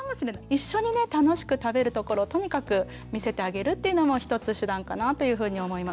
一緒にね楽しく食べるところをとにかく見せてあげるというのも一つ手段かなというふうに思います。